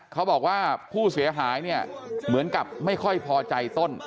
เขาบอกว่าผู้เสียหายเนี่ยเหมือนกับไม่ค่อยพอใจต้น